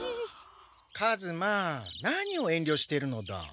数馬何をえんりょしているのだ？